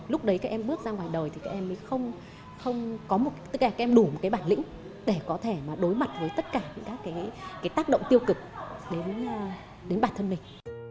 lúc đấy các em bước ra ngoài đời thì các em đủ một bản lĩnh để có thể đối mặt với tất cả các tác động tiêu cực đến bản thân mình